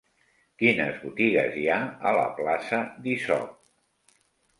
Quines botigues hi ha a la plaça d'Isop?